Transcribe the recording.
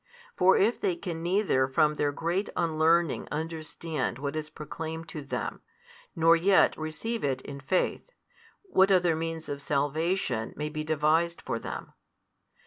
For if they can neither from their great unlearning understand what is proclaimed to them, nor yet receive it in faith, what other means of salvation may be devised for them?